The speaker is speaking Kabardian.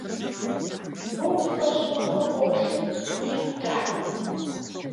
Уэ уи фӀэщ мыхъур къоплъым игу дыхьэну?